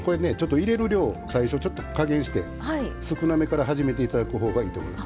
最初、加減して少なめから始めていただくほうがいいと思います。